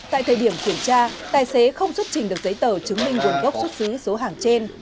tại thời điểm kiểm tra tài xế không xuất trình được giấy tờ chứng minh nguồn gốc xuất xứ số hàng trên